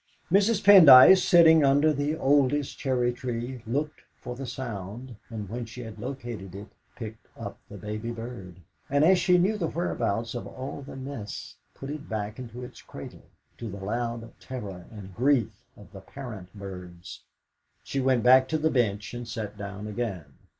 Mrs. Pendyce, sitting under the oldest cherry tree, looked for the sound, and when she had located it, picked up the baby bird, and, as she knew the whereabouts of all the nests, put it back into its cradle, to the loud terror and grief of the parent birds. She went back to the bench and sat down again.